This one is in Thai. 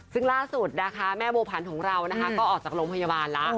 ซึ่งล่าสุดนะคะแม่โบผันของเรานะคะก็ออกจากโรงพยาบาลแล้ว